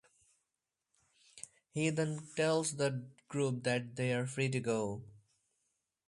He then tells the group that they are free to go.